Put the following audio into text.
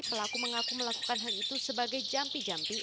pelaku mengaku melakukan hal itu sebagai jampi jampi